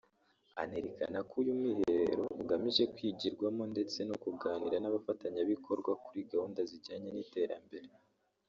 anerekana ko uyu mwiherero ugamije kwigirwamo ndetse no kuganira n’abafatanyabikorwa kuri gahunda zijyanye n’iterambere